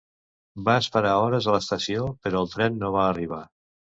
Va esperar hores a l'estació, però el tren no va arribar.